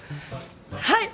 はい！